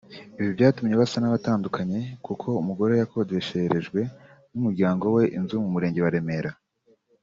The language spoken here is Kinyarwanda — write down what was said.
Ibi byatumye basa n’abatandukanye kuko umugore yakodesherejwe n’umuryango we inzu mu murenge wa Remera